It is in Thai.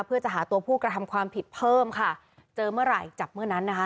เพื่อจะหาตัวผู้กระทำความผิดเพิ่มค่ะเจอเมื่อไหร่จับเมื่อนั้นนะคะ